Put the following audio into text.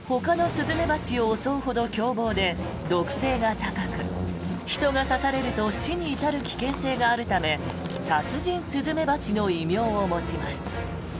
ほかのスズメバチを襲うほど凶暴で毒性が高く、人が刺されると死に至る危険性があるため殺人スズメバチの異名を持ちます。